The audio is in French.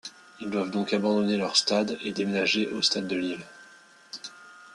Ils doivent donc abandonner leur stade et déménager au Stade de l'Ill.